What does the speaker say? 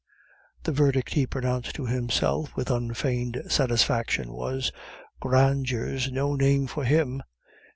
The verdict he pronounced to himself with unfeigned satisfaction was, "Grandeur's no name for him."